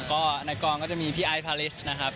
ก็นักกรองก็จะมีพี่ไอพาลิสนะครับ